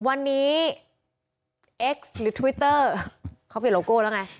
วันนี้เอ็กซ์หรือทวิตเตอร์เขาเปลี่ยนโลโก้แล้วไง